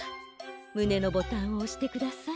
むねのボタンをおしてください。